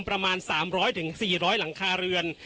ประมาณ๓๐๐๔๐๐หลังคาเรือน